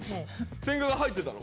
千賀が入ってたの？